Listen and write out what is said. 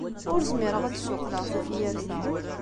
Ur zmireɣ ad d-ssuqqleɣ tafyirt-a.